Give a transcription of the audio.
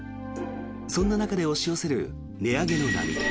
そんな中で押し寄せる値上げの波。